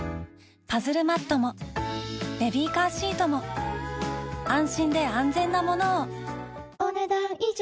パズルマットもベビーカーシートも安心で安全なものをお、ねだん以上。